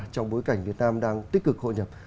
trong bối cảnh việt nam đang tích cực hội nhập